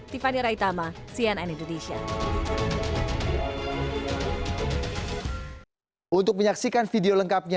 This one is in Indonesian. tiffany raitama cnn indonesia